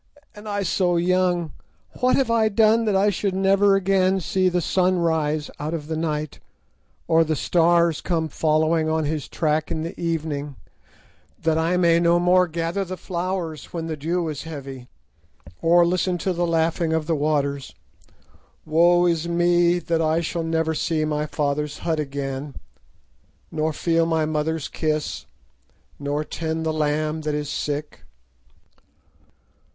and I so young! What have I done that I should never again see the sun rise out of the night, or the stars come following on his track in the evening, that I may no more gather the flowers when the dew is heavy, or listen to the laughing of the waters? Woe is me, that I shall never see my father's hut again, nor feel my mother's kiss, nor tend the lamb that is sick!